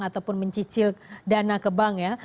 ataupun mencicil dana ke bank ya